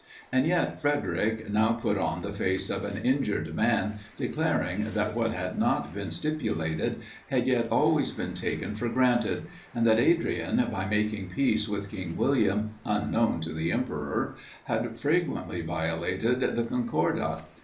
And yet Frederic now put on the face of an injured man, declaring that what had not been stipulated, had yet always been taken for granted; and that Adrian, by making peace with King William, unknown to the emperor, had flagrantly violated the concordat.